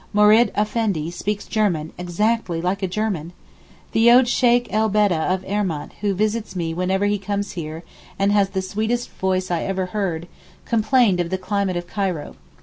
Mourad Effendi speaks German exactly like a German. The old Sheykh el Beled of Erment who visits me whenever he comes here, and has the sweetest voice I ever heard, complained of the climate of Cairo.